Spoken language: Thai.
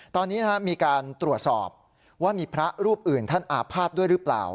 ตอนนี้มีการตรวจสอบว่ามีพระรูปอื่นท่านอาภาษณ์ด้วยหรือเปล่า